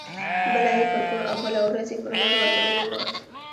بله یې پر کور او بله ورځ یې پر نورو وطنونو وه.